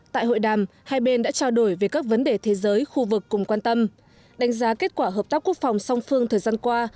tại hội đàm hai bên đã trao đổi về các vấn đề thế giới khu vực cùng quan tâm đánh giá kết quả hợp tác quốc phòng song phương thời gian qua